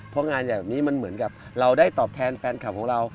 เพราะงานอย่างนี้มันเหมือนกับเราได้ตอบแทนแฟนคลับของเรา